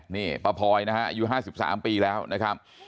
นี่ป้าพลอยนะฮะอายุ๕๓ปีแล้วนะครับ